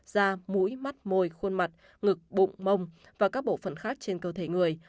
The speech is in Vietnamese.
da mũi mắt môi khuôn mặt ngực bụng mông và các bộ phận khác trên cơ thể người